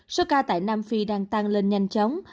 số ca tại nam phi đang tăng lên nhanh chóng